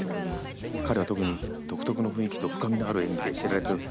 「彼は特に独特の雰囲気と深みのある演技で知られており」。